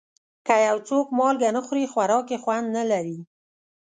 که یو څوک مالګه نه خوري، خوراک یې خوند نه لري.